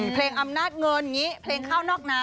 เพลงอำนาจเงินนี่เพลงเข้านอกน้า